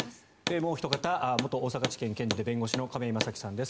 もうおひと方元大阪地検検事で弁護士の亀井正貴さんです。